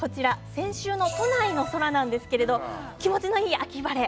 先週の都内の空ですが気持ちのいい秋晴れ